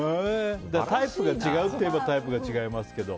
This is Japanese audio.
タイプが違うっていえばタイプが違いますけど。